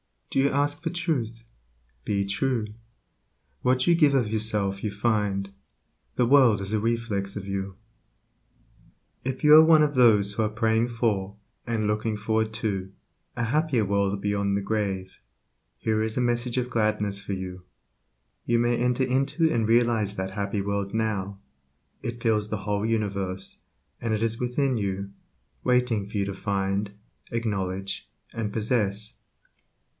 Do you ask for truth? Be true. What you give of yourself you find; Your world is a reflex of you. If you are one of those who are praying for, and looking forward to, a happier world beyond the grave, here is a message of gladness for you, you may enter into and realize that happy world now; it fills the whole universe, and it is within you, waiting for you to find, acknowledge, and possess.